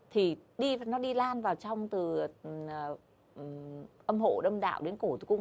thì nó đi lan vào trong từ âm hộ đâm đạo đến cổ tử cung